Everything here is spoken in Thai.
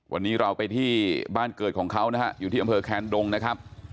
วันนี้เราไปที่บ้านเกิดของเขานะฮะอยู่ที่อำเภอแคนดงนะครับ